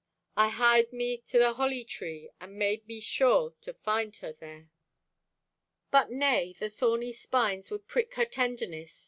I hied me to the holly tree And made me sure to find her there. But nay, The thorny spines would prick her tenderness.